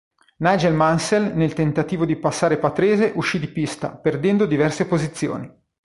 Nigel Mansell, nel tentativo di passare Patrese, uscì di pista, perdendo diverse posizioni.